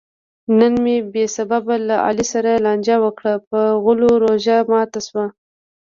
نن مې بې سببه له علي سره لانجه وکړه؛ په غولو روژه ماته شوه.